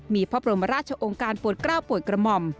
มีพระบรมราชองค์การปวดกล้าวปวดกระหม่อม